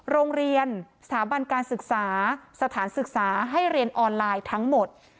โรงเรียนสถาบันการศึกษาสถานศึกษาให้เรียนออนไลน์ทั้งหมด